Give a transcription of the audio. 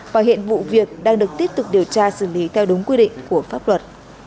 và hiện vụ việc đang được tiếp tục điều tra xử lý theo đúng quy định của pháp luật